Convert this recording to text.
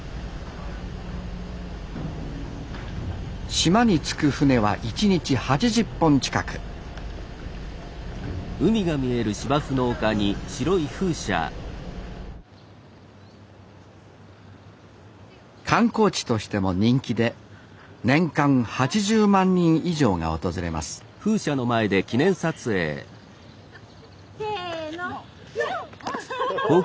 島に着く船は１日８０本近く観光地としても人気で年間８０万人以上が訪れますせのピョン！